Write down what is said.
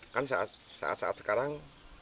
kan saat saat sekarang